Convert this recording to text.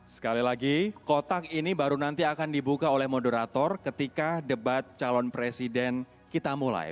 sekali lagi kotak ini baru nanti akan dibuka oleh moderator ketika debat calon presiden kita mulai